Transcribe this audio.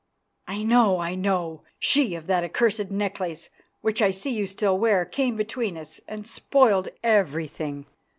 "I know, I know! She of that accursed necklace, which I see you still wear, came between us and spoiled everything.